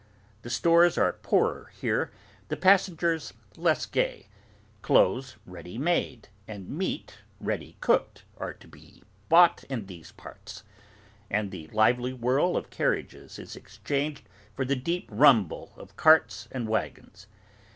The stores are poorer here; the passengers less gay. Clothes ready made, and meat ready cooked, are to be bought in these parts; and the lively whirl of carriages is exchanged for the deep rumble of carts and waggons.